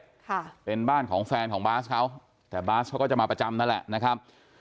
ค่ะเป็นบ้านของแฟนของบาสเขาแต่บาสเขาก็จะมาประจำนั่นแหละนะครับ